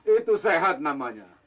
itu sehat namanya